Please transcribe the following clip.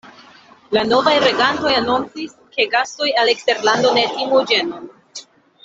La novaj regantoj anoncis, ke gastoj el eksterlando ne timu ĝenon.